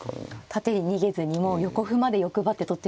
縦に逃げずにもう横歩まで欲張って取ってしまおうと。